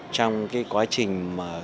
trong quá trình